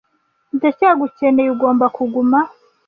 Ndacyagukeneye; ugomba kuguma. "